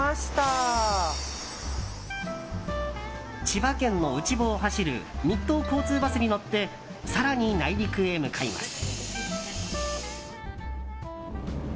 千葉県の内房を走る日東交通バスに乗って更に内陸へ向かいます。